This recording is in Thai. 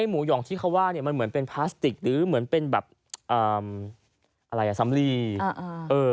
มันเป็นแบบอะไรอ่ะสำลี